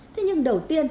thế nhưng đầu tiên